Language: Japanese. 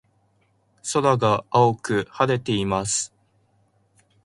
空が青く晴れています。